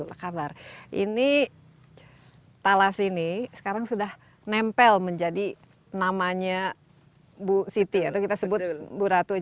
apa kabar ini talas ini sekarang sudah nempel menjadi namanya bu siti atau kita sebut bu ratu